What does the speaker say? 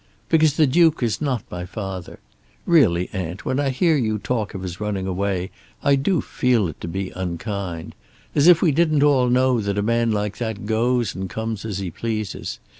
"Because the Duke is not my father. Really, aunt, when I hear you talk of his running away I do feel it to be unkind. As if we didn't all know that a man like that goes and comes as he pleases.